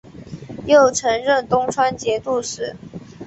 又曾任东川节度使。